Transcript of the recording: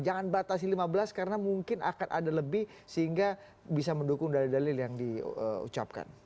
jangan batasi lima belas karena mungkin akan ada lebih sehingga bisa mendukung dalil dalil yang diucapkan